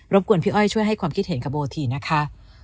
กวนพี่อ้อยช่วยให้ความคิดเห็นกับโบทีนะคะ